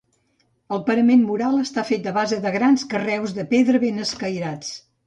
El parament mural està fet a base de grans carreus de pedra ben escairats.